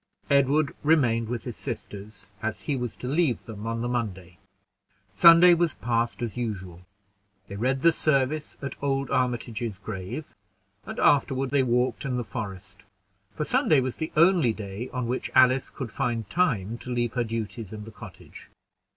Edward remained with his sisters, as he was to leave them on the Monday. Sunday was passed as usual; they read the service at old Armitage's grave, and afterward they walked in the forest; for Sunday was the only day on which Alice could find time to leave her duties in the cottage.